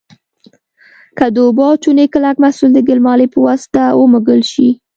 که د اوبو او چونې کلک محلول د ګلمالې په واسطه ومږل شي.